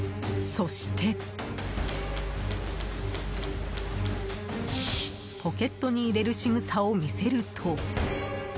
そして、ポケットに入れる仕草を見せると。